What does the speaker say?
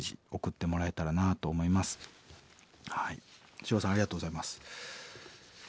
シロさんありがとうございます。